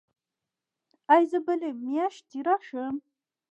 ایا زه بلې میاشتې راشم؟